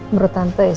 menurut tante itu